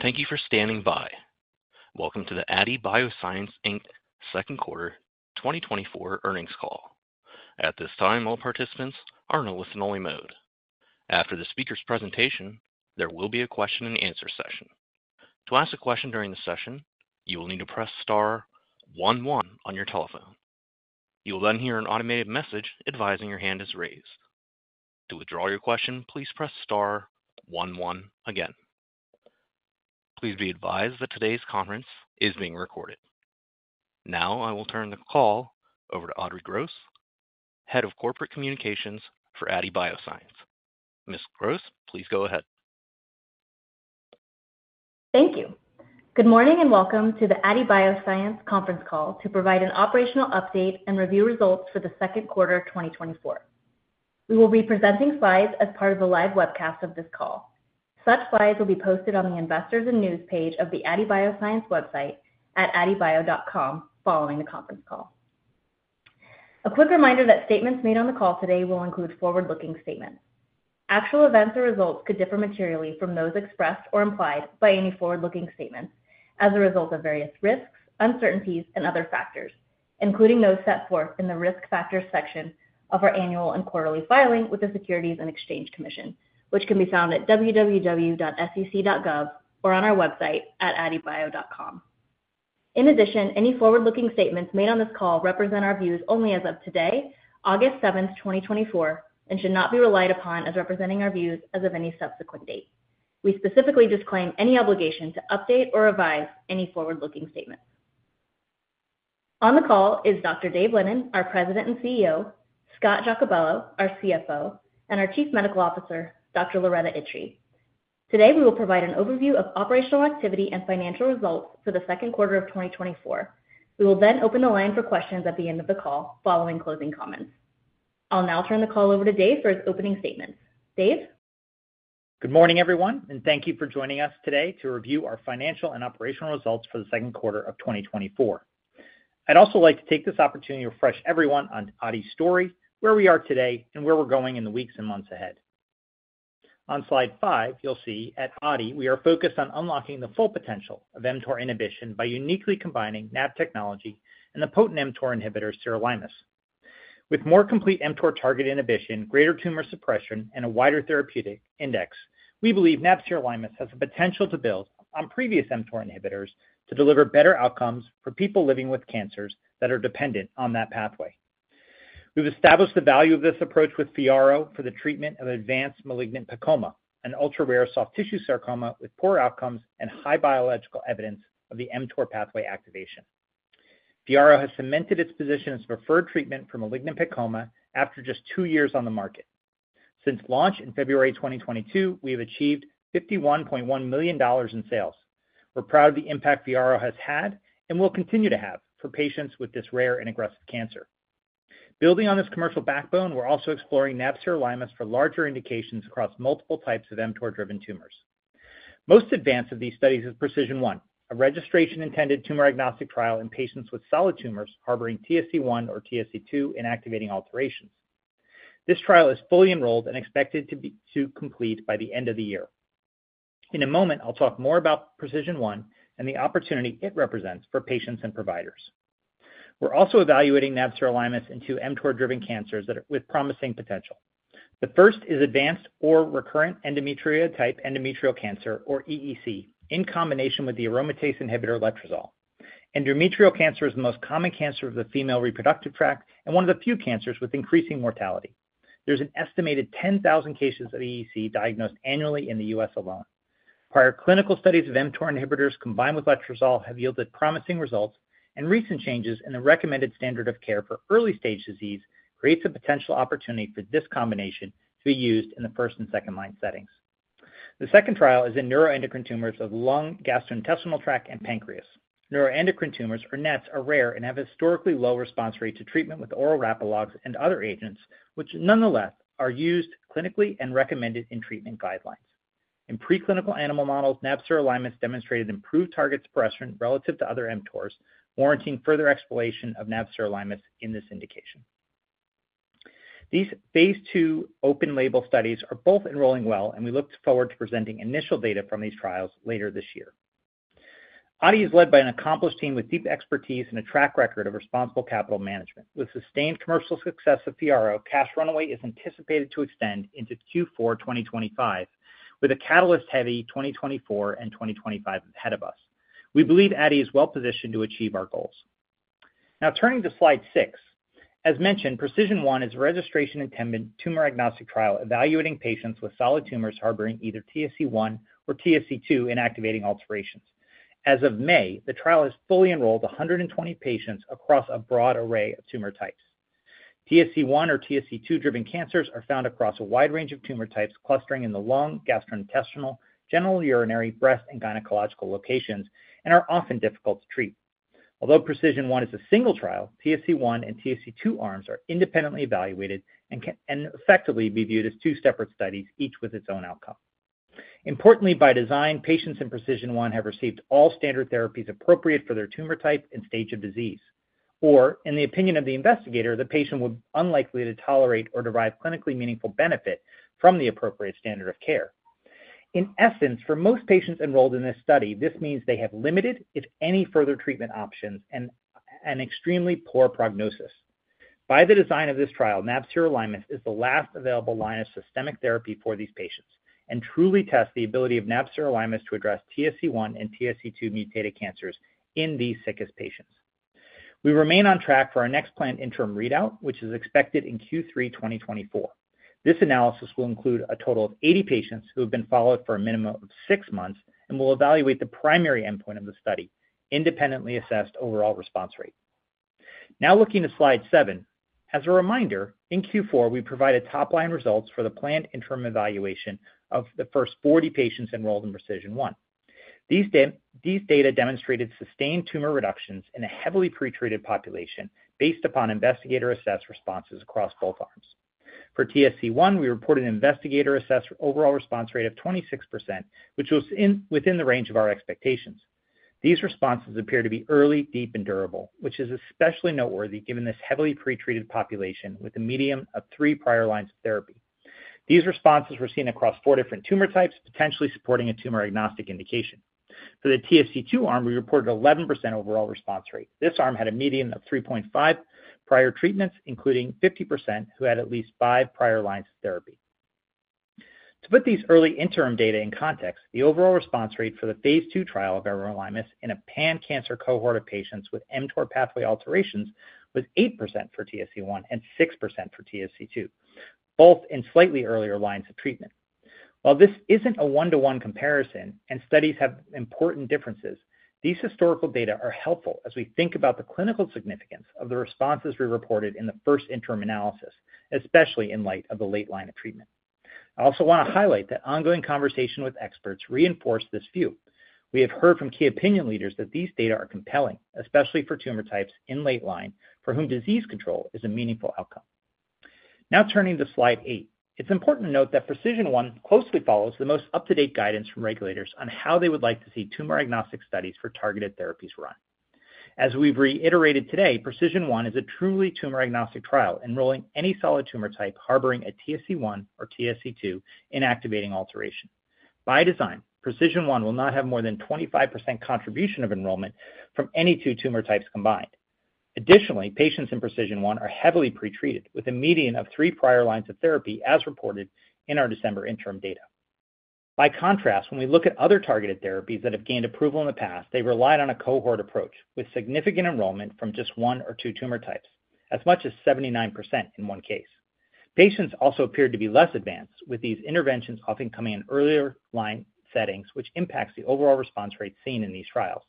Thank you for standing by. Welcome to the Aadi Bioscience Inc. second quarter 2024 earnings call. At this time, all participants are in a listen-only mode. After the speaker's presentation, there will be a question and answer session. To ask a question during the session, you will need to press star one one on your telephone. You will then hear an automated message advising your hand is raised. To withdraw your question, please press star one one again. Please be advised that today's conference is being recorded. Now, I will turn the call over to Audrey Gross, Head of Corporate Communications for Aadi Bioscience. Ms. Gross, please go ahead. Thank you. Good morning, and welcome to the Aadi Bioscience conference call to provide an operational update and review results for the second quarter of 2024. We will be presenting slides as part of the live webcast of this call. Such slides will be posted on the Investors and News page of the Aadi Bioscience website at aadibio.com following the conference call. A quick reminder that statements made on the call today will include forward-looking statements. Actual events or results could differ materially from those expressed or implied by any forward-looking statements as a result of various risks, uncertainties and other factors, including those set forth in the Risk Factors section of our annual and quarterly filings with the Securities and Exchange Commission, which can be found at www.sec.gov or on our website at aadibio.com. In addition, any forward-looking statements made on this call represent our views only as of today, August 7, 2024, and should not be relied upon as representing our views as of any subsequent date. We specifically disclaim any obligation to update or revise any forward-looking statements. On the call is Dr. Dave Lennon, our President and CEO, Scott Giacobello, our CFO, and our Chief Medical Officer, Dr. Loretta Itri. Today, we will provide an overview of operational activity and financial results for the second quarter of 2024. We will then open the line for questions at the end of the call, following closing comments. I'll now turn the call over to Dave for his opening statements. Dave? Good morning, everyone, and thank you for joining us today to review our financial and operational results for the second quarter of 2024. I'd also like to take this opportunity to refresh everyone on Aadi's story, where we are today and where we're going in the weeks and months ahead. On slide five, you'll see at Aadi, we are focused on unlocking the full potential of mTOR inhibition by uniquely combining NAB technology and the potent mTOR inhibitor, sirolimus. With more complete mTOR target inhibition, greater tumor suppression, and a wider therapeutic index, we believe NAB sirolimus has the potential to build on previous mTOR inhibitors to deliver better outcomes for people living with cancers that are dependent on that pathway. We've established the value of this approach with FYARRO for the treatment of advanced malignant PEComa, an ultra-rare soft tissue sarcoma with poor outcomes and high biological evidence of the mTOR pathway activation. FYARRO has cemented its position as preferred treatment for malignant PEComa after just two years on the market. Since launch in February 2022, we have achieved $51.1 million in sales. We're proud of the impact FYARRO has had and will continue to have for patients with this rare and aggressive cancer. Building on this commercial backbone, we're also exploring nab-sirolimus for larger indications across multiple types of mTOR-driven tumors. Most advanced of these studies is PRECISION 1, a registration-intended tumor-agnostic trial in patients with solid tumors harboring TSC1 or TSC2 inactivating alterations. This trial is fully enrolled and expected to complete by the end of the year. In a moment, I'll talk more about PRECISION 1 and the opportunity it represents for patients and providers. We're also evaluating nab-sirolimus into mTOR-driven cancers that are, with promising potential. The first is advanced or recurrent endometrioid-type endometrial cancer, or EEC, in combination with the aromatase inhibitor letrozole. Endometrial cancer is the most common cancer of the female reproductive tract and one of the few cancers with increasing mortality. There's an estimated 10,000 cases of EEC diagnosed annually in the U.S. alone. Prior clinical studies of mTOR inhibitors combined with letrozole have yielded promising results, and recent changes in the recommended standard of care for early-stage disease creates a potential opportunity for this combination to be used in the first and second-line settings. The second trial is in neuroendocrine tumors of lung, gastrointestinal tract, and pancreas. Neuroendocrine tumors, or NETs, are rare and have historically low response rate to treatment with oral rapalogs and other agents, which nonetheless are used clinically and recommended in treatment guidelines. In preclinical animal models, nab-sirolimus demonstrated improved target suppression relative to other mTORs, warranting further exploration of nab-sirolimus in this indication. These phase II open label studies are both enrolling well, and we look forward to presenting initial data from these trials later this year. Aadi is led by an accomplished team with deep expertise and a track record of responsible capital management. With sustained commercial success of FYARRO, cash runway is anticipated to extend into Q4 2025, with a catalyst-heavy 2024 and 2025 ahead of us. We believe Aadi is well positioned to achieve our goals. Now, turning to slide six. As mentioned, PRECISION 1 is a registration-intended tumor-agnostic trial evaluating patients with solid tumors harboring either TSC1 or TSC2 inactivating alterations. As of May, the trial has fully enrolled 120 patients across a broad array of tumor types. TSC1 or TSC2-driven cancers are found across a wide range of tumor types, clustering in the lung, gastrointestinal, genitourinary, breast, and gynecological locations, and are often difficult to treat. Although PRECISION 1 is a single trial, TSC1 and TSC2 arms are independently evaluated and can, and effectively be viewed as two separate studies, each with its own outcome. Importantly, by design, patients in PRECISION 1 have received all standard therapies appropriate for their tumor type and stage of disease or, in the opinion of the investigator, the patient would unlikely to tolerate or derive clinically meaningful benefit from the appropriate standard of care. In essence, for most patients enrolled in this study, this means they have limited, if any, further treatment options and extremely poor prognosis. By the design of this trial, nab-sirolimus is the last available line of systemic therapy for these patients and truly tests the ability of nab-sirolimus to address TSC1 and TSC2 mutated cancers in these sickest patients. We remain on track for our next planned interim readout, which is expected in Q3 2024. This analysis will include a total of 80 patients who have been followed for a minimum of six months and will evaluate the primary endpoint of the study, independently assessed overall response rate. Now looking to slide seven. As a reminder, in Q4, we provided top-line results for the planned interim evaluation of the first 40 patients enrolled in PRECISION 1. These data demonstrated sustained tumor reductions in a heavily pretreated population based upon investigator-assessed responses across both arms. For TSC1, we reported an investigator-assessed overall response rate of 26%, which was within the range of our expectations. These responses appear to be early, deep, and durable, which is especially noteworthy given this heavily pretreated population with a median of 3 prior lines of therapy. These responses were seen across four different tumor types, potentially supporting a tumor-agnostic indication. For the TSC2 arm, we reported 11% overall response rate. This arm had a median of 3.5 prior treatments, including 50%, who had at least five prior lines of therapy. To put these early interim data in context, the overall response rate for the phase II trial of our nab-sirolimus in a pan-cancer cohort of patients with mTOR pathway alterations was 8% for TSC1 and 6% for TSC2, both in slightly earlier lines of treatment. While this isn't a one-to-one comparison, and studies have important differences, these historical data are helpful as we think about the clinical significance of the responses we reported in the first interim analysis, especially in light of the late line of treatment. I also wanna highlight that ongoing conversation with experts reinforced this view. We have heard from key opinion leaders that these data are compelling, especially for tumor types in late line, for whom disease control is a meaningful outcome. Now turning to slide eight. It's important to note that PRECISION 1 closely follows the most up-to-date guidance from regulators on how they would like to see tumor-agnostic studies for targeted therapies run. As we've reiterated today, PRECISION 1 is a truly tumor-agnostic trial, enrolling any solid tumor type harboring a TSC1 or TSC2 inactivating alteration. By design, PRECISION 1 will not have more than 25% contribution of enrollment from any two tumor types combined. Additionally, patients in PRECISION 1 are heavily pretreated with a median of three prior lines of therapy, as reported in our December interim data. By contrast, when we look at other targeted therapies that have gained approval in the past, they relied on a cohort approach, with significant enrollment from just one or two tumor types, as much as 79% in one case. Patients also appeared to be less advanced, with these interventions often coming in earlier line settings, which impacts the overall response rate seen in these trials.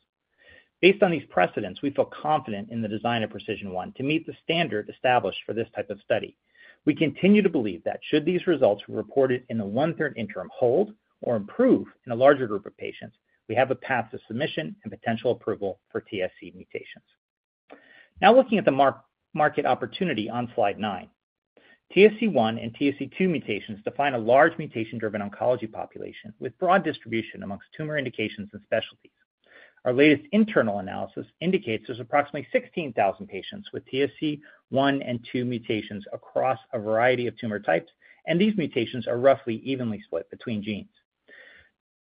Based on these precedents, we feel confident in the design of PRECISION 1 to meet the standard established for this type of study. We continue to believe that should these results be reported in the one-third interim hold or improve in a larger group of patients, we have a path to submission and potential approval for TSC mutations. Now looking at the market opportunity on slide nine. TSC1 and TSC2 mutations define a large mutation-driven oncology population, with broad distribution among tumor indications and specialties. Our latest internal analysis indicates there's approximately 16,000 patients with TSC1 and TSC2 mutations across a variety of tumor types, and these mutations are roughly evenly split between genes.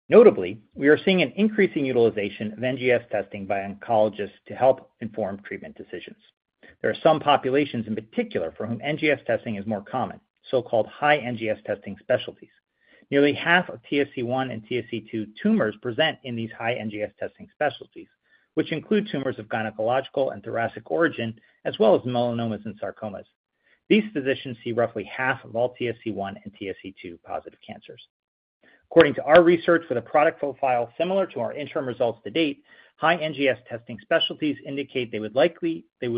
Notably, we are seeing an increasing utilization of NGS testing by oncologists to help inform treatment decisions. There are some populations, in particular, for whom NGS testing is more common, so-called high NGS testing specialties. Nearly half of TSC1 and TSC2 tumors present in these high NGS testing specialties, which include tumors of gynecological and thoracic origin, as well as melanomas and sarcomas. These physicians see roughly half of all TSC1 and TSC2 positive cancers. According to our research, with a product profile similar to our interim results to date, high NGS testing specialties indicate they would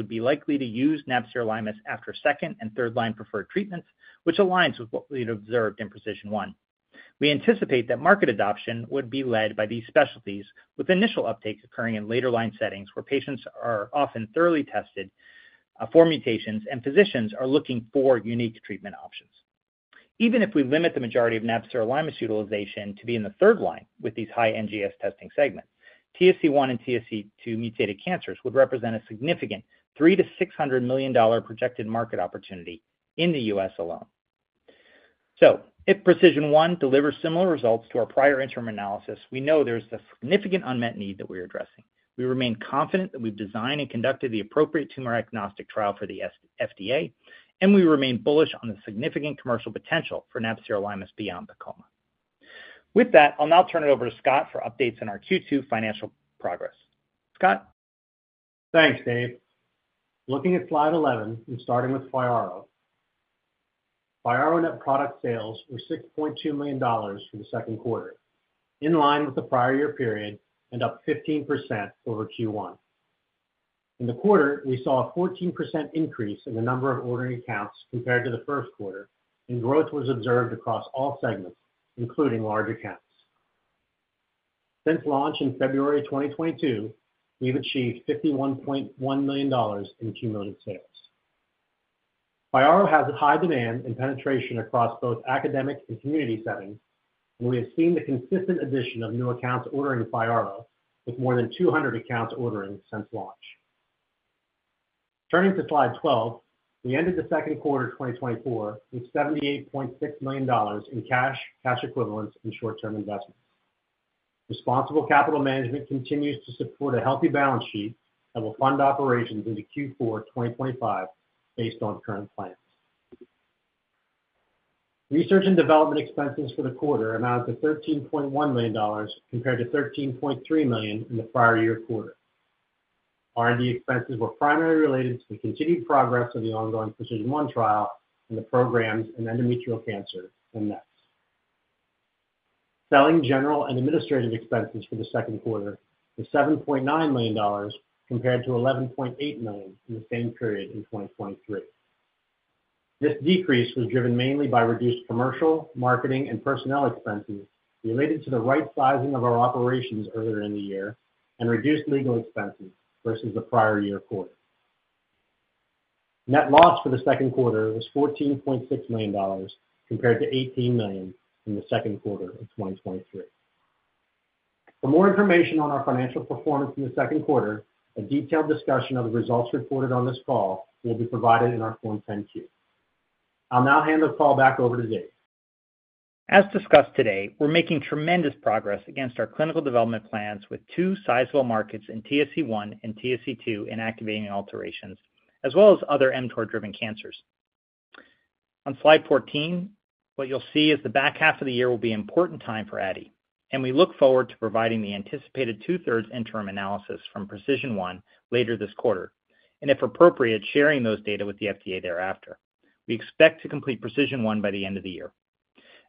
be likely to use nab-sirolimus after second- and third-line preferred treatments, which aligns with what we'd observed in PRECISION 1. We anticipate that market adoption would be led by these specialties, with initial uptakes occurring in later line settings, where patients are often thoroughly tested for mutations, and physicians are looking for unique treatment options. Even if we limit the majority of nab-sirolimus utilization to be in the third line with these high NGS testing segments, TSC1 and TSC2 mutated cancers would represent a significant $300 to $600 million projected market opportunity in the U.S. alone. So if PRECISION 1 delivers similar results to our prior interim analysis, we know there's a significant unmet need that we're addressing. We remain confident that we've designed and conducted the appropriate tumor-agnostic trial for the FDA, and we remain bullish on the significant commercial potential for nab-sirolimus beyond the PEComa. With that, I'll now turn it over to Scott for updates on our Q2 financial progress. Scott? Thanks, Dave. Looking at slide 11 and starting with FYARRO. FYARRO net product sales were $6.2 million for the second quarter, in line with the prior year period and up 15% over Q1. In the quarter, we saw a 14% increase in the number of ordering accounts compared to the first quarter, and growth was observed across all segments, including large accounts. Since launch in February 2022, we've achieved $51.1 million in cumulative sales. FYARRO has high demand and penetration across both academic and community settings, and we have seen the consistent addition of new accounts ordering FYARRO, with more than 200 accounts ordering since launch. Turning to slide 12, we ended the second quarter of 2024 with $78.6 million in cash, cash equivalents, and short-term investments. Responsible capital management continues to support a healthy balance sheet that will fund operations into Q4 2025 based on current plans. Research and development expenses for the quarter amounted to $13.1 million, compared to $13.3 million in the prior year quarter. R&D expenses were primarily related to the continued progress of the ongoing PRECISION 1 trial and the programs in endometrial cancer and NET. Selling, general, and administrative expenses for the second quarter was $7.9 million, compared to $11.8 million in the same period in 2023. This decrease was driven mainly by reduced commercial, marketing, and personnel expenses related to the right sizing of our operations earlier in the year and reduced legal expenses versus the prior year quarter. Net loss for the second quarter was $14.6 million, compared to $18 million in the second quarter of 2023. For more information on our financial performance in the second quarter, a detailed discussion of the results reported on this call will be provided in our Form 10-Q. I'll now hand the call back over to Dave. As discussed today, we're making tremendous progress against our clinical development plans with two sizable markets in TSC1 and TSC2 inactivating alterations, as well as other mTOR-driven cancers. On Slide 14, what you'll see is the back half of the year will be an important time for Aadi, and we look forward to providing the anticipated 2/3 interim analysis from Precision 1 later this quarter, and if appropriate, sharing those data with the FDA thereafter. We expect to complete Precision 1 by the end of the year.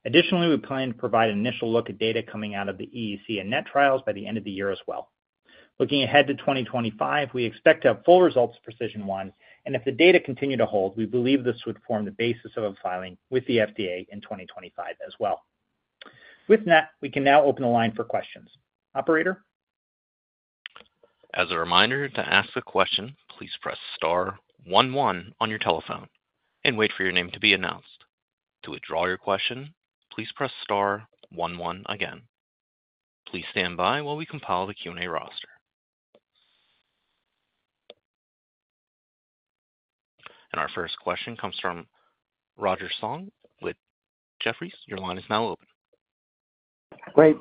Additionally, we plan to provide an initial look at data coming out of the EEC and NET trials by the end of the year as well. Looking ahead to 2025, we expect to have full results of PRECISION 1, and if the data continue to hold, we believe this would form the basis of a filing with the FDA in 2025 as well. With that, we can now open the line for questions. Operator? As a reminder, to ask a question, please press star one one on your telephone and wait for your name to be announced. To withdraw your question, please press star one one again. Please stand by while we compile the Q&A roster. Our first question comes from Roger Song with Jefferies. Your line is now open. Great.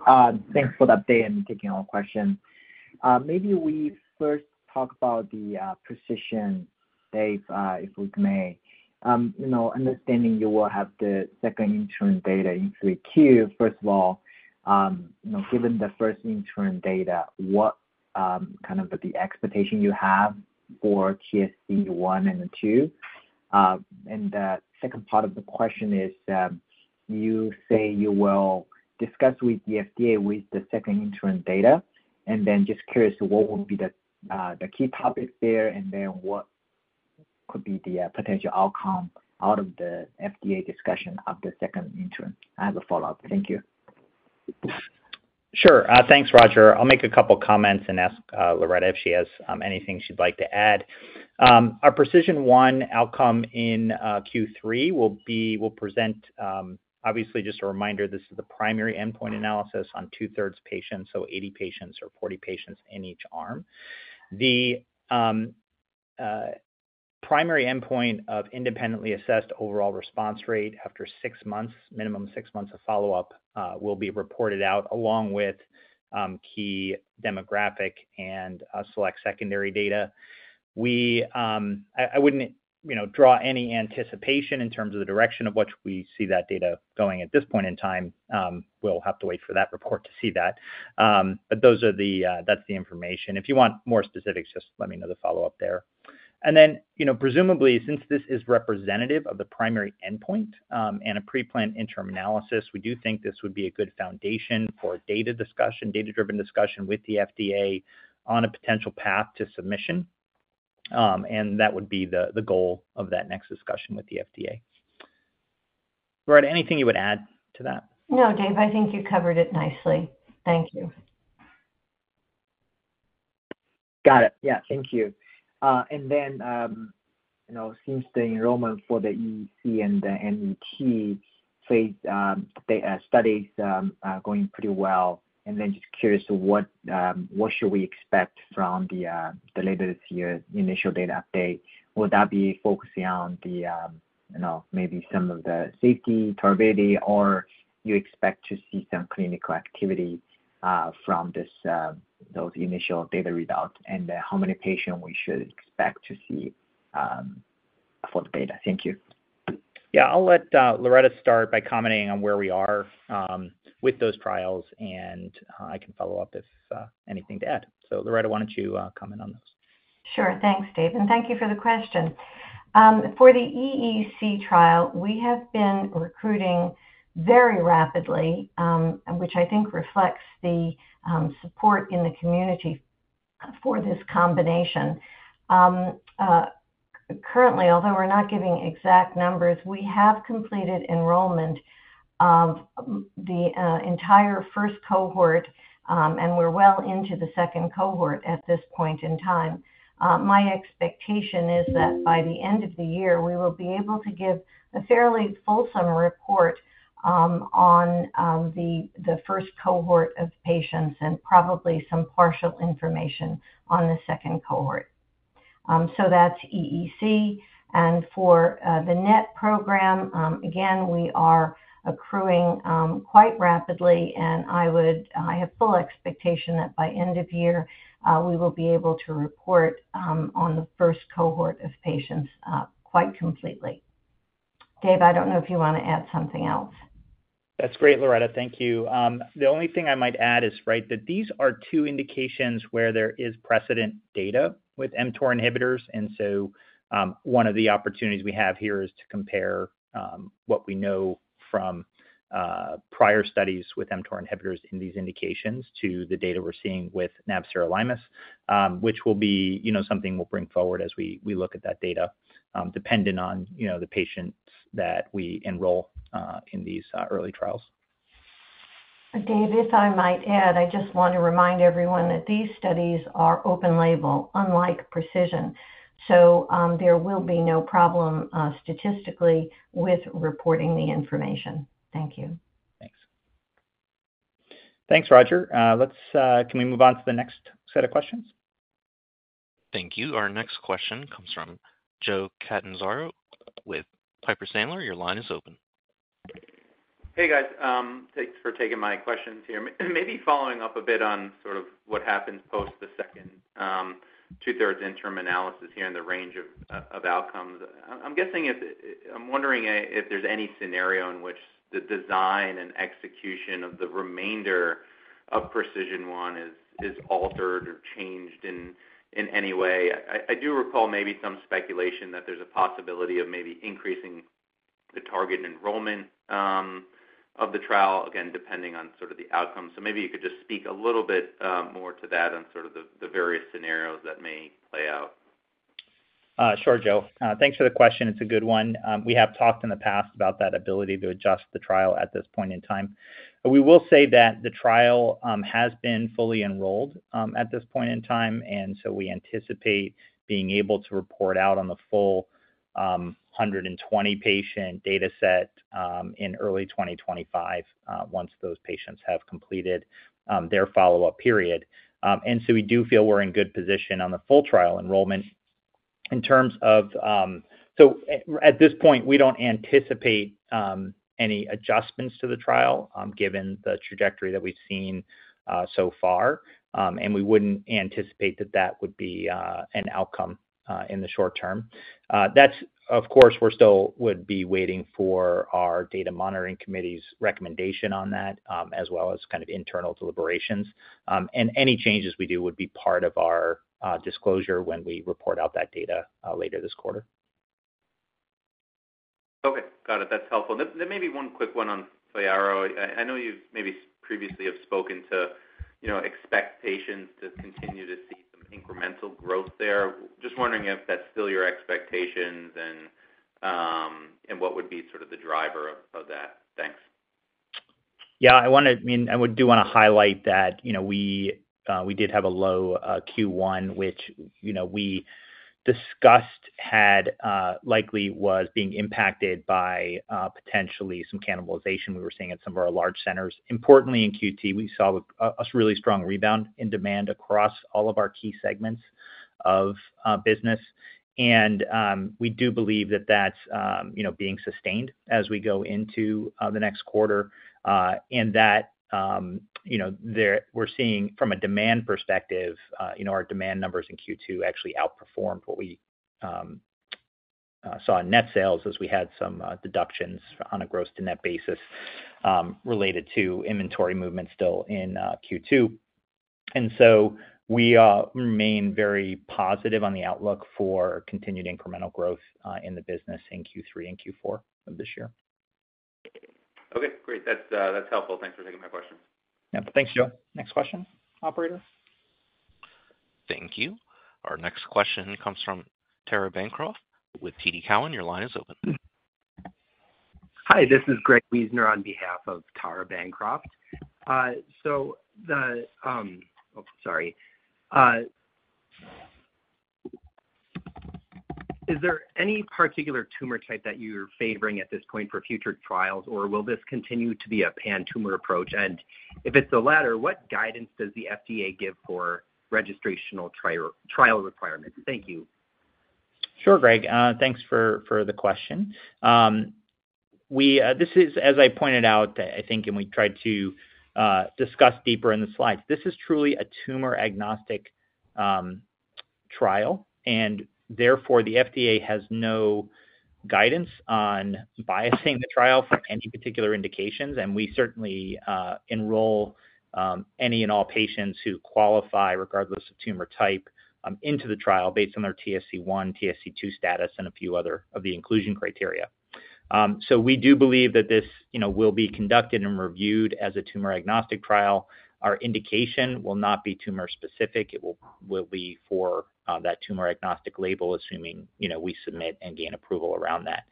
Thanks for the update and taking our question. Maybe we first talk about the Precision, Dave, if we may. You know, understanding you will have the second interim data in Q3, first of all, you know, given the first interim data, what kind of the expectation you have for TSC1 and TSC2? And the second part of the question is, you say you will discuss with the FDA with the second interim data, and then just curious to what would be the key topics there, and then what could be the potential outcome out of the FDA discussion of the second interim as a follow-up? Thank you. Sure. Thanks, Roger. I'll make a couple comments and ask, Loretta if she has, anything she'd like to add. Our PRECISION 1 outcome in Q3 will be, will present. Obviously, just a reminder, this is the primary endpoint analysis on two-thirds patients, so 80 patients or 40 patients in each arm. The primary endpoint of independently assessed overall response rate after six months, minimum six months of follow-up, will be reported out, along with key demographic and select secondary data. We, I, I wouldn't, you know, draw any anticipation in terms of the direction of which we see that data going at this point in time. We'll have to wait for that report to see that. But those are the, that's the information. If you want more specifics, just let me know the follow-up there. And then, you know, presumably, since this is representative of the primary endpoint, and a pre-planned interim analysis, we do think this would be a good foundation for a data discussion, data-driven discussion with the FDA on a potential path to submission. And that would be the goal of that next discussion with the FDA. Loretta, anything you would add to that? No, Dave, I think you covered it nicely. Thank you. Got it. Yeah, thank you. And then, you know, since the enrollment for the EEC and the NET phase, the studies are going pretty well, and then just curious to what, what should we expect from the, the later this year, initial data update? Will that be focusing on the, you know, maybe some of the safety, tolerability, or you expect to see some clinical activity, from this, those initial data results? And, how many patients we should expect to see, for the data? Thank you. Yeah. I'll let Loretta start by commenting on where we are with those trials, and I can follow up if anything to add. So Loretta, why don't you comment on those? Sure. Thanks, Dave, and thank you for the question. For the EEC trial, we have been recruiting very rapidly, which I think reflects the support in the community for this combination. Currently, although we're not giving exact numbers, we have completed enrollment of the entire first cohort, and we're well into the second cohort at this point in time. My expectation is that by the end of the year, we will be able to give a fairly fulsome report on the first cohort of patients and probably some partial information on the second cohort. So that's EEC. For the NET program, again, we are accruing quite rapidly, and I have full expectation that by end of year, we will be able to report on the first cohort of patients quite completely. Dave, I don't know if you want to add something else. That's great, Loretta. Thank you. The only thing I might add is, right, that these are two indications where there is precedent data with mTOR inhibitors. And so, one of the opportunities we have here is to compare what we know from prior studies with mTOR inhibitors in these indications to the data we're seeing with nab-sirolimus, which will be, you know, something we'll bring forward as we, we look at that data, dependent on, you know, the patients that we enroll in these early trials. Dave, if I might add, I just want to remind everyone that these studies are open label, unlike Precision. So, there will be no problem, statistically with reporting the information. Thank you. Thanks. Thanks, Roger. Can we move on to the next set of questions? Thank you. Our next question comes from Joe Catanzaro with Piper Sandler. Your line is open. Hey, guys, thanks for taking my questions here. Maybe following up a bit on sort of what happens post the second, two-thirds interim analysis here and the range of outcomes. I'm wondering if there's any scenario in which the design and execution of the remainder of PRECISION 1 is altered or changed in any way. I do recall maybe some speculation that there's a possibility of maybe increasing the target enrollment of the trial, again, depending on sort of the outcome. So maybe you could just speak a little bit more to that on sort of the various scenarios that may play out? Sure, Joe. Thanks for the question. It's a good one. We have talked in the past about that ability to adjust the trial at this point in time. But we will say that the trial has been fully enrolled at this point in time, and so we anticipate being able to report out on the full 120 patient dataset in early 2025, once those patients have completed their follow-up period. And so we do feel we're in good position on the full trial enrollment. In terms of... So at this point, we don't anticipate any adjustments to the trial, given the trajectory that we've seen so far. And we wouldn't anticipate that that would be an outcome in the short term. That's, of course, we're still would be waiting for our data monitoring committee's recommendation on that, as well as kind of internal deliberations. And any changes we do would be part of our disclosure when we report out that data later this quarter. Okay, got it. That's helpful. Then maybe one quick one on FYARRO. I know you've maybe previously have spoken to, you know, expectations to continue to see some incremental growth there. Just wondering if that's still your expectations and what would be sort of the driver of that? Thanks. Yeah, I mean, I do want to highlight that, you know, we, we did have a low Q1, which, you know, we discussed had likely was being impacted by potentially some cannibalization we were seeing at some of our large centers. Importantly, in Q2, we saw a really strong rebound in demand across all of our key segments of business. We do believe that that's, you know, being sustained as we go into the next quarter, and that, you know, we're seeing from a demand perspective, you know, our demand numbers in Q2 actually outperformed what we saw in net sales as we had some deductions on a gross to net basis, related to inventory movement still in Q2. We remain very positive on the outlook for continued incremental growth in the business in Q3 and Q4 of this year. Okay, great. That's, that's helpful. Thanks for taking my question. Yeah. Thanks, Joe. Next question, operator. Thank you. Our next question comes from Tara Bancroft with TD Cowen. Your line is open. Hi, this is Gregory Wiessner on behalf of Tara Bancroft. Is there any particular tumor type that you're favoring at this point for future trials, or will this continue to be a pan-tumor approach? And if it's the latter, what guidance does the FDA give for registrational trial, trial requirements? Thank you. Sure, Greg. Thanks for the question. This is, as I pointed out, I think, and we tried to discuss deeper in the slides, this is truly a tumor-agnostic trial, and therefore, the FDA has no guidance on biasing the trial for any particular indications, and we certainly enroll any and all patients who qualify, regardless of tumor type, into the trial based on their TSC1, TSC2 status and a few other of the inclusion criteria. So we do believe that this, you know, will be conducted and reviewed as a tumor-agnostic trial. Our indication will not be tumor-specific. It will be for that tumor-agnostic label, assuming, you know, we submit and gain approval around that.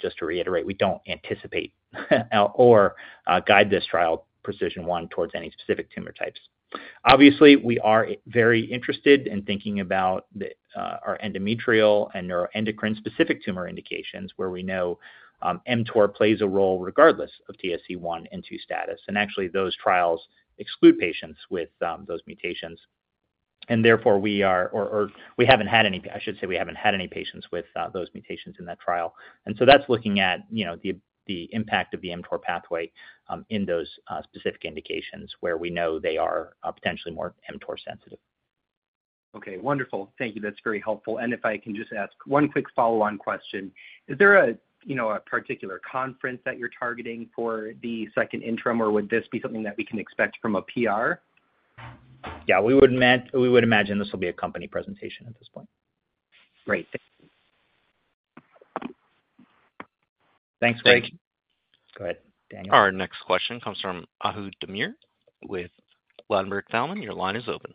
Just to reiterate, we don't anticipate or guide this trial, PRECISION 1, towards any specific tumor types. Obviously, we are very interested in thinking about our endometrial and neuroendocrine-specific tumor indications, where we know mTOR plays a role regardless of TSC1 and TSC2 status. Actually, those trials exclude patients with those mutations. Therefore, we are or we haven't had any, I should say, we haven't had any patients with those mutations in that trial. So that's looking at, you know, the impact of the mTOR pathway in those specific indications where we know they are potentially more mTOR sensitive. Okay, wonderful. Thank you. That's very helpful. And if I can just ask one quick follow-on question. Is there a, you know, a particular conference that you're targeting for the second interim, or would this be something that we can expect from a PR? Yeah, we would imagine this will be a company presentation at this point. Great, thank you. Thanks, Greg. Go ahead, Daniel. Our next question comes from Ahu Demir with Ladenburg Thalmann. Your line is open.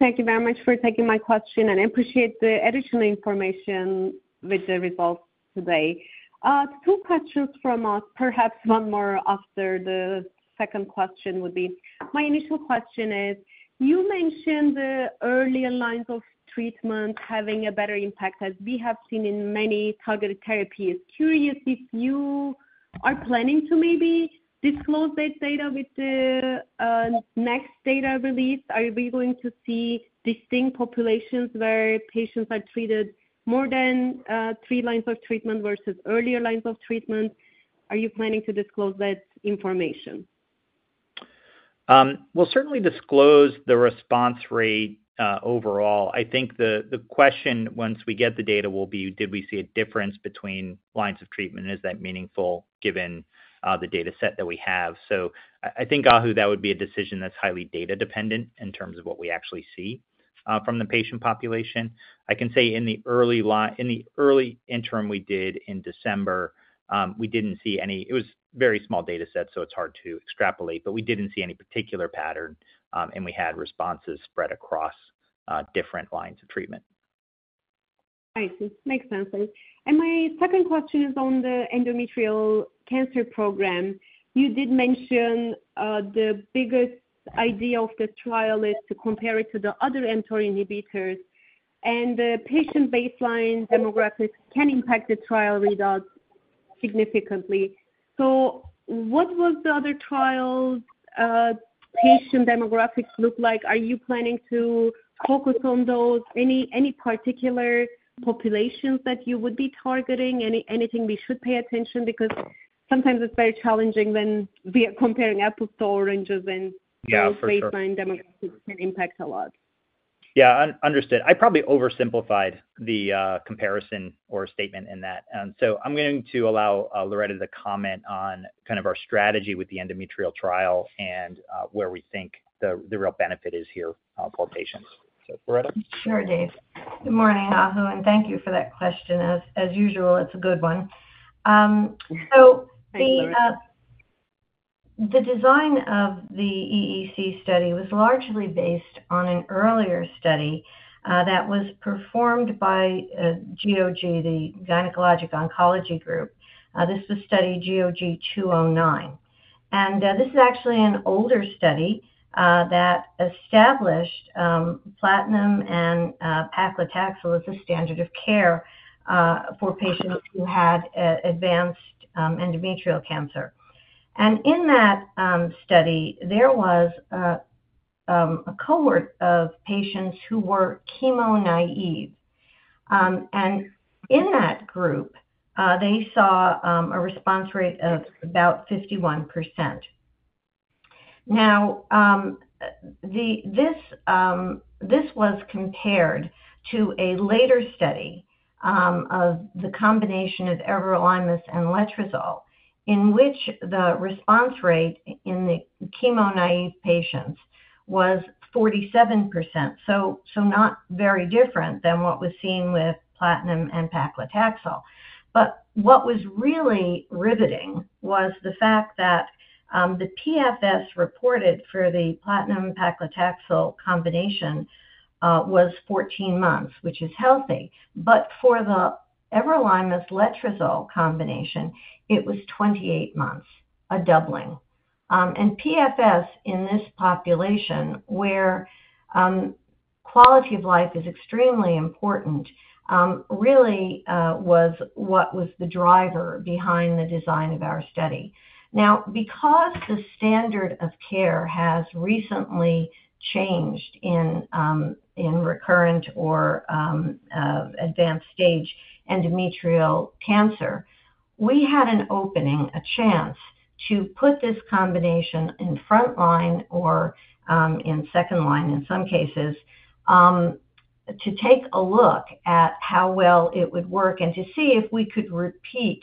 Thank you very much for taking my question, and I appreciate the additional information with the results today. Two questions from us, perhaps one more after the second question would be. My initial question is, you mentioned the earlier lines of treatment having a better impact, as we have seen in many targeted therapies. Curious if you are planning to maybe disclose this data with the next data release. Are we going to see distinct populations where patients are treated more than three lines of treatment versus earlier lines of treatment? Are you planning to disclose that information? We'll certainly disclose the response rate overall. I think the question, once we get the data, will be, did we see a difference between lines of treatment, and is that meaningful given the data set that we have? So I think, Ahu, that would be a decision that's highly data dependent in terms of what we actually see from the patient population. I can say in the early interim we did in December, we didn't see any. It was very small data set, so it's hard to extrapolate, but we didn't see any particular pattern, and we had responses spread across different lines of treatment. Right, it makes sense. And my second question is on the endometrial cancer program. You did mention, the biggest idea of this trial is to compare it to the other mTOR inhibitors, and the patient baseline demographics can impact the trial results significantly. So what was the other trial's patient demographics look like? Are you planning to focus on those? Any, any particular populations that you would be targeting? Anything we should pay attention? Because sometimes it's very challenging when we are comparing apples to oranges, and- Yeah, for sure. Baseline demographics can impact a lot. Yeah, understood. I probably oversimplified the comparison or statement in that. And so I'm going to allow Loretta to comment on kind of our strategy with the endometrial trial and where we think the real benefit is here for patients. So, Loretta? Sure, Dave. Good morning, Ahu, and thank you for that question. As, as usual, it's a good one. So the- Thanks, Loretta. The design of the EEC study was largely based on an earlier study that was performed by GOG, the Gynecologic Oncology Group. This is study GOG 209. This is actually an older study that established platinum and paclitaxel as a standard of care for patients who had advanced endometrial cancer. In that study, there was a cohort of patients who were chemo-naive. In that group, they saw a response rate of about 51%. Now, this was compared to a later study of the combination of everolimus and letrozole, in which the response rate in the chemo-naive patients was 47%. So not very different than what was seen with platinum and paclitaxel. But what was really riveting was the fact that, the PFS reported for the platinum paclitaxel combination, was 14 months, which is healthy. But for the everolimus letrozole combination, it was 28 months, a doubling. And PFS in this population, where, quality of life is extremely important, really, was what was the driver behind the design of our study. Now, because the standard of care has recently changed in, in recurrent or, advanced stage endometrial cancer, we had an opening, a chance to put this combination in frontline or, in second line, in some cases, to take a look at how well it would work and to see if we could repeat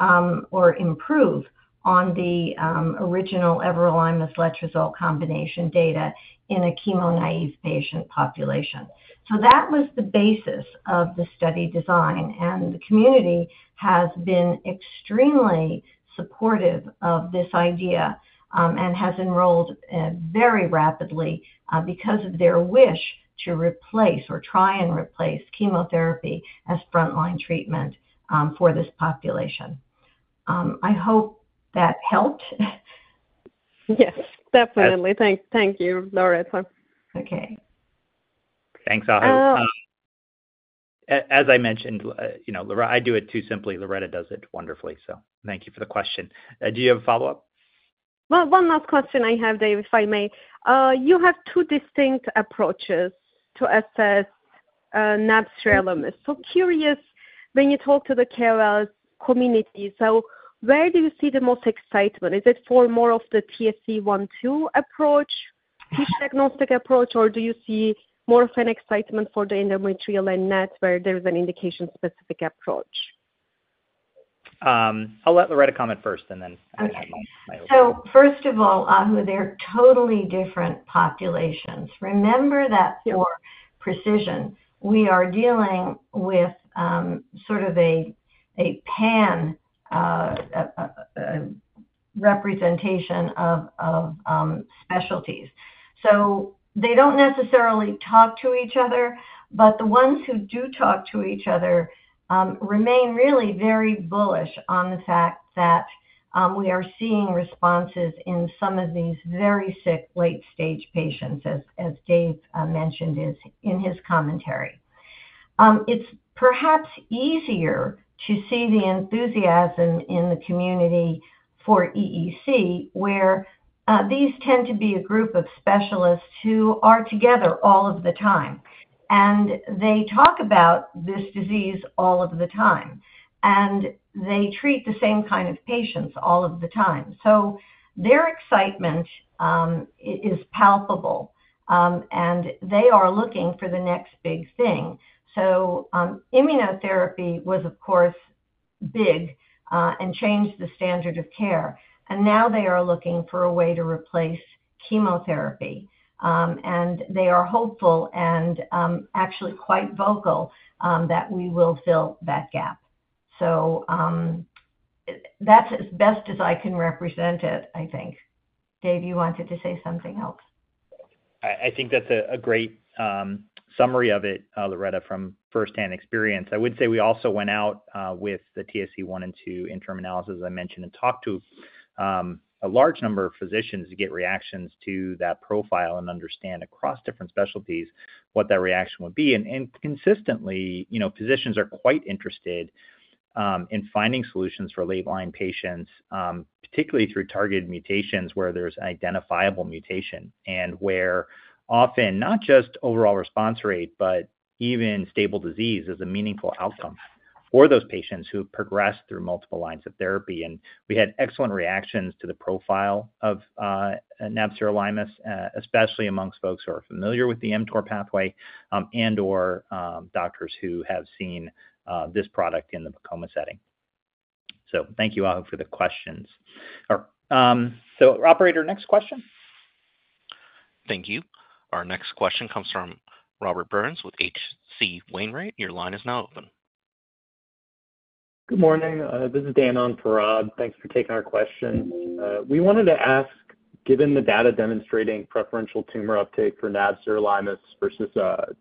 or improve on the, original everolimus/letrozole combination data in a chemo-naive patient population. That was the basis of the study design, and the community has been extremely supportive of this idea, and has enrolled very rapidly, because of their wish to replace or try and replace chemotherapy as frontline treatment, for this population. I hope that helped. Yes, definitely. Thank you, Loretta. Okay. Thanks, Ahu. Uh- As I mentioned, you know, I do it too simply. Loretta does it wonderfully. So thank you for the question. Do you have a follow-up? Well, one last question I have, Dave, if I may. You have two distinct approaches to assess nab-sirolimus. So, curious, when you talk to the KOL community, so where do you see the most excitement? Is it for more of the TSC 1-2 approach, each diagnostic approach, or do you see more of an excitement for the endometrial and NET, where there's an indication-specific approach? I'll let Loretta comment first, and then I have my opinion. First of all, Ahu, they're totally different populations. Remember that- Yeah For precision, we are dealing with sort of a pan representation of specialties. So they don't necessarily talk to each other, but the ones who do talk to each other remain really very bullish on the fact that we are seeing responses in some of these very sick, late-stage patients, as Dave mentioned in his commentary. It's perhaps easier to see the enthusiasm in the community for EEC, where these tend to be a group of specialists who are together all of the time, and they talk about this disease all of the time, and they treat the same kind of patients all of the time. So their excitement is palpable, and they are looking for the next big thing. So, immunotherapy was, of course, big, and changed the standard of care, and now they are looking for a way to replace chemotherapy. They are hopeful and, actually quite vocal, that we will fill that gap. So, that's as best as I can represent it, I think. Dave, you wanted to say something else? I think that's a great summary of it, Loretta, from firsthand experience. I would say we also went out with the TSC1 and TSC2 interim analysis, as I mentioned, and talked to a large number of physicians to get reactions to that profile and understand across different specialties what that reaction would be. And consistently, you know, physicians are quite interested in finding solutions for late-line patients, particularly through targeted mutations, where there's an identifiable mutation. And where often, not just overall response rate, but even stable disease is a meaningful outcome for those patients who have progressed through multiple lines of therapy. And we had excellent reactions to the profile of nab-sirolimus, especially among folks who are familiar with the mTOR pathway, and/or doctors who have seen this product in the PEComa setting. Thank you, Ahu, for the questions. Or, so operator, next question. Thank you. Our next question comes from Robert Burns with H.C. Wainwright. Your line is now open. Good morning. This is Dan on for Rob. Thanks for taking our question. We wanted to ask, given the data demonstrating preferential tumor uptake for nab-sirolimus versus,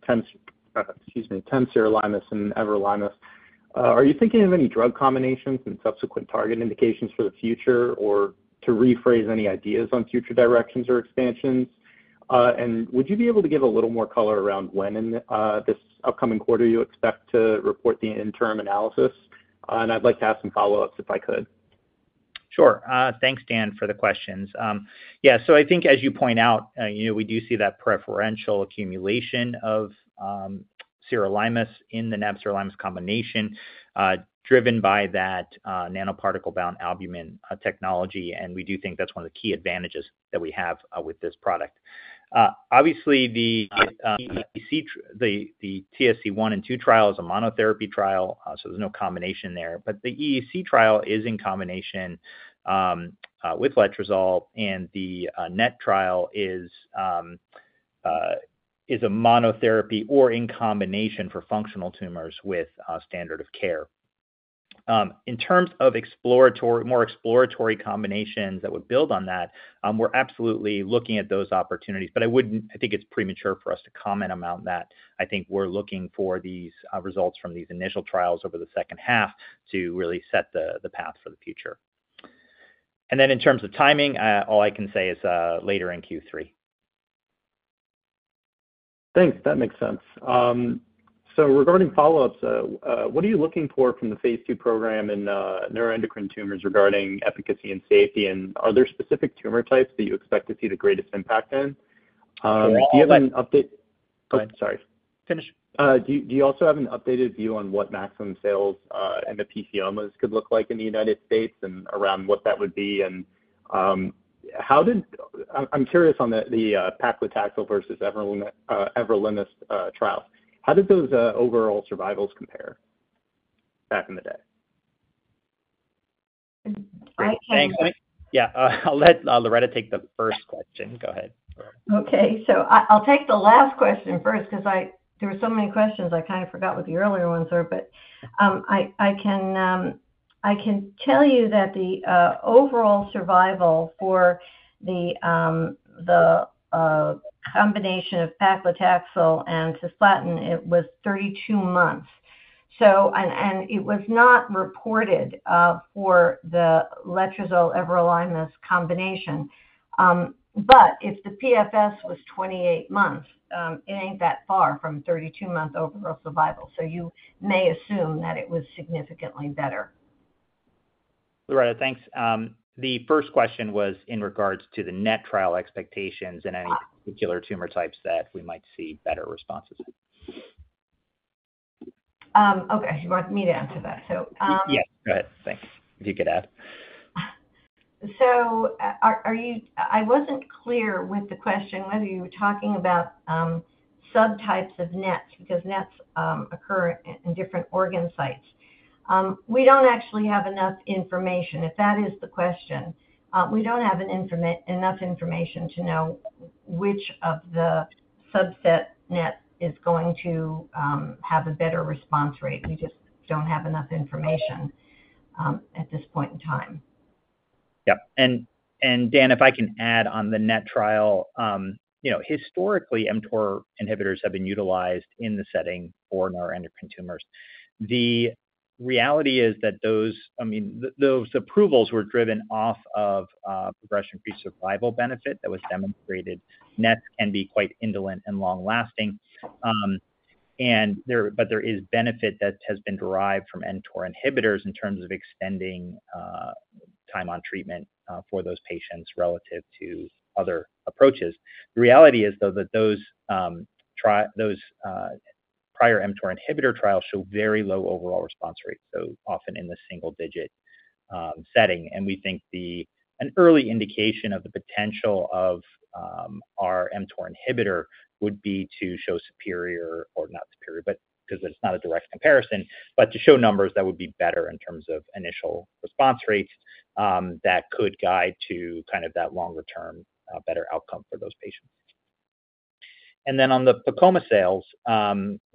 excuse me, temsirolimus and everolimus, are you thinking of any drug combinations and subsequent target indications for the future? Or to rephrase, any ideas on future directions or expansions? And would you be able to give a little more color around when in this upcoming quarter you expect to report the interim analysis? And I'd like to ask some follow-ups, if I could. Sure. Thanks, Dan, for the questions. Yeah, so I think, as you point out, you know, we do see that preferential accumulation of sirolimus in the nab-sirolimus combination, driven by that nanoparticle-bound albumin technology, and we do think that's one of the key advantages that we have with this product. Obviously, the EEC, the TSC1 and TSC2 trial is a monotherapy trial, so there's no combination there. But the EEC trial is in combination with letrozole, and the NET trial is a monotherapy or in combination for functional tumors with standard of care. In terms of exploratory, more exploratory combinations that would build on that, we're absolutely looking at those opportunities, but I wouldn't, I think it's premature for us to comment on that. I think we're looking for these results from these initial trials over the second half to really set the path for the future. And then in terms of timing, all I can say is later in Q3. Thanks. That makes sense. So regarding follow-ups, what are you looking for from the phase II program in neuroendocrine tumors regarding efficacy and safety? And are there specific tumor types that you expect to see the greatest impact in? Do you have an update? Oh, sorry. Finish. Do you also have an updated view on what maximum sales and the PEComas could look like in the United States, and around what that would be? And I'm curious on the paclitaxel versus everolimus trials. How did those overall survivals compare back in the day? I can- Thanks. Yeah, I'll let Loretta take the first question. Go ahead, Loretta. Okay, so I'll take the last question first, 'cause there were so many questions, I kind of forgot what the earlier ones were. But I can tell you that the overall survival for the combination of paclitaxel and cisplatin, it was 32 months. So and it was not reported for the letrozole everolimus combination. But if the PFS was 28 months, it ain't that far from 32-month overall survival, so you may assume that it was significantly better. Loretta, thanks. The first question was in regards to the NET trial expectations and any particular tumor types that we might see better responses. Okay. You want me to answer that? So, Yeah, go ahead. Thanks. If you could add. Are you... I wasn't clear with the question, whether you were talking about subtypes of NET, because NET occur in different organ sites. We don't actually have enough information. If that is the question, we don't have enough information to know which of the subset NET is going to have a better response rate. We just don't have enough information at this point in time. Yep. And, Dan, if I can add on the NET trial. You know, historically, mTOR inhibitors have been utilized in the setting for neuroendocrine tumors. The reality is that those, I mean, those approvals were driven off of progression-free survival benefit that was demonstrated. NET can be quite indolent and long-lasting. But there is benefit that has been derived from mTOR inhibitors in terms of extending time on treatment for those patients relative to other approaches. The reality is, though, that those prior mTOR inhibitor trials show very low overall response rates, so often in the single digit setting. We think an early indication of the potential of our mTOR inhibitor would be to show superior, or not superior, but 'cause it's not a direct comparison, but to show numbers that would be better in terms of initial response rates that could guide to kind of that longer term better outcome for those patients. And then on the PEComa sales,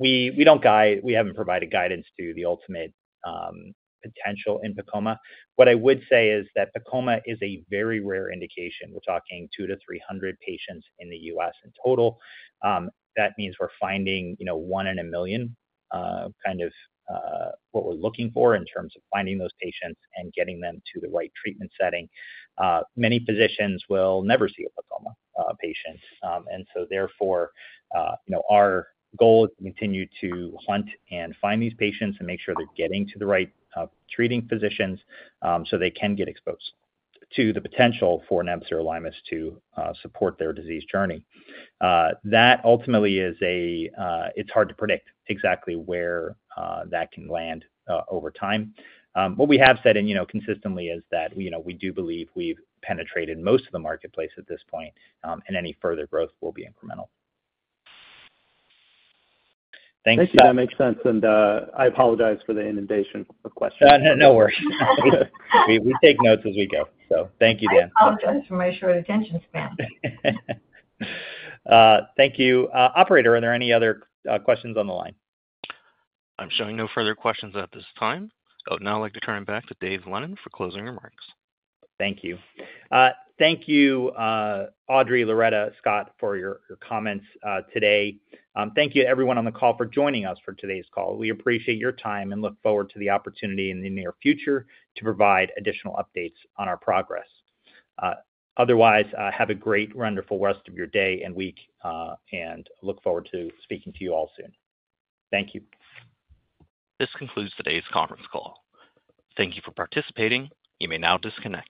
we don't guide, we haven't provided guidance to the ultimate potential in PEComa. What I would say is that PEComa is a very rare indication. We're talking 200 to 300 patients in the U.S. in total. That means we're finding, you know, one in a million kind of what we're looking for in terms of finding those patients and getting them to the right treatment setting. Many physicians will never see a PEComa patient. and so therefore, you know, our goal is to continue to hunt and find these patients and make sure they're getting to the right treating physicians, so they can get exposed to the potential for nab-sirolimus to support their disease journey. That ultimately is a, it's hard to predict exactly where that can land over time. What we have said and, you know, consistently is that, you know, we do believe we've penetrated most of the marketplace at this point, and any further growth will be incremental. Thanks, Scott. Thank you. That makes sense, and, I apologize for the inundation of questions. No, no worries. We, we take notes as we go. So thank you, Dan. I apologize for my short attention span. Thank you. Operator, are there any other questions on the line? I'm showing no further questions at this time. I would now like to turn back to Dave Lennon for closing remarks. Thank you. Thank you, Audrey, Loretta, Scott, for your, your comments, today. Thank you everyone on the call for joining us for today's call. We appreciate your time and look forward to the opportunity in the near future to provide additional updates on our progress. Otherwise, have a great, wonderful rest of your day and week, and look forward to speaking to you all soon. Thank you. This concludes today's conference call. Thank you for participating. You may now disconnect.